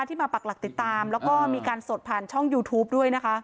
มาปักหลักติดตามแล้วก็มีการสดผ่านช่องยูทูปด้วยนะคะ